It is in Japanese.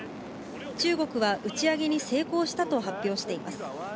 中国は打ち上げに成功したと発表しています。